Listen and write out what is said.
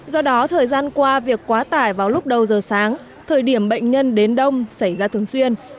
do đó thời gian qua việc quá tải vào lúc đầu giờ sáng thời điểm bệnh nhân đến đông xảy ra thường xuyên